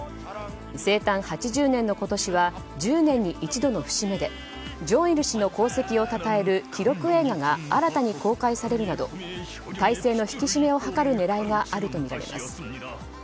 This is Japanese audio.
生誕８０年の今年は１０年に一度の節目で正日氏の功績をたたえる記録映画が新たに公開されるなど体制の引き締めを図る狙いがあるとみられます。